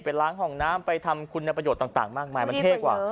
ล้างห้องน้ำไปทำคุณประโยชน์ต่างมากมายมันเท่กว่า